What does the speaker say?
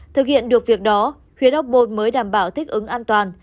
thực hiện được việc đó huyến hóc môn mới đảm bảo thích ứng an toàn